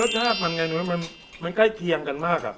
รสชาติมันเนี่ยมันใกล้เคียงกันมากอะ